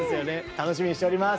楽しみにしております。